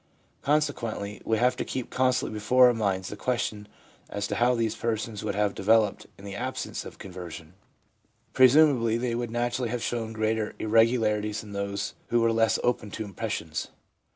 Con sequently, we have to keep constantly before our minds the question as to how these persons would have developed in the absence of conversion — presumably they would naturally have shown greater irregularities than would those who were less open to impressions.